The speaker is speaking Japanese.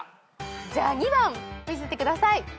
じゃあ２番見せてください。